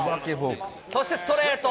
そしてストレート。